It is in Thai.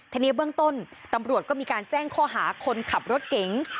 ทีนี้เบื้องต้นตำรวจก็มีการแจ้งข้อหาคนขับรถเก๋ง